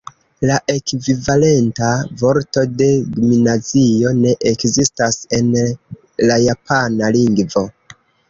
La ekvivalenta vorto de "gimnazio" ne ekzistas en la Japana lingvo.